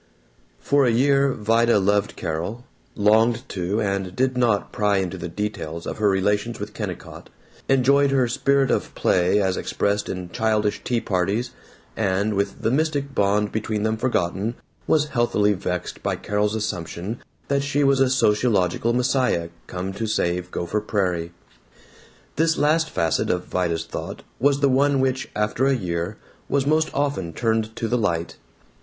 For a year Vida loved Carol, longed to and did not pry into the details of her relations with Kennicott, enjoyed her spirit of play as expressed in childish tea parties, and, with the mystic bond between them forgotten, was healthily vexed by Carol's assumption that she was a sociological messiah come to save Gopher Prairie. This last facet of Vida's thought was the one which, after a year, was most often turned to the light.